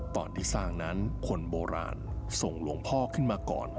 ตอนที่สร้างนั้นคนโบราณส่งหลวงพ่อขึ้นมาก่อน